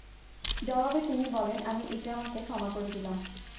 জবাবে তিনি বলেন, আমি ইকরামাকে ক্ষমা করে দিলাম।